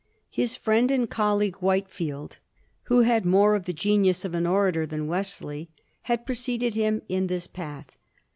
His friend an(l colleague Whitefield, who had more of the genius of an orator than Wesley, had preceded him in this path.